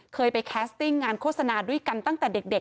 เคยไปแคสติ้งงานโฆษณาด้วยกันตั้งแต่เด็ก